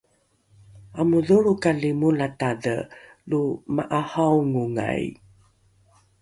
amodholrokali molatadhe lo ma’ahaongai?